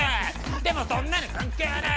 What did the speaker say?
でもそんなの関係ねえ！